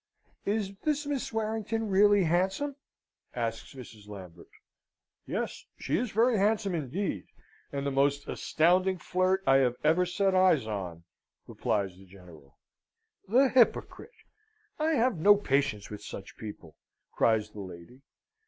"Is this Miss Warrington really handsome?" asks Mrs Lambent. "Yes; she is very handsome indeed, and the most astounding flirt I have ever set eyes on," replies the General. "The hypocrite! I have no patience with such people!" cries the lady.